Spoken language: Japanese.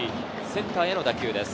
センターへの打球です。